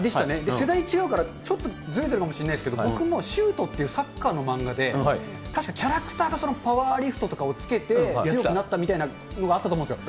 世代違うから、ちょっとずれているかもしれないですけれども、僕もシュートっていうサッカーの漫画で、たしかキャラクターがパワーリフトとかをつけて強くなったみたいなのがあったと思うんですよ。